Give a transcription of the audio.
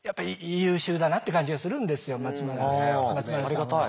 おありがたい。